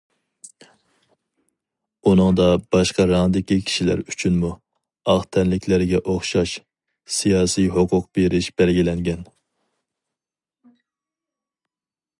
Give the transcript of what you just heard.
ئۇنىڭدا باشقا رەڭدىكى كىشىلەر ئۈچۈنمۇ، ئاق تەنلىكلەرگە ئوخشاش، سىياسىي ھوقۇق بېرىش بەلگىلەنگەن.